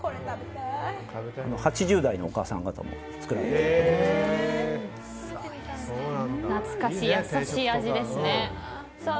８０代のお母さん方も作られているんです。